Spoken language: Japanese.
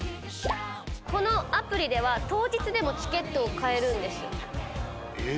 このアプリでは当日でもチケットを買えるんです。え！？